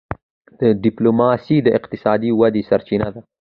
ډيپلوماسي د اقتصادي ودي سرچینه ده.